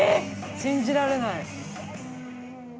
信じられない。